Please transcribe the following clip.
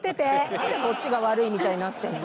なんでこっちが悪いみたいになってるの？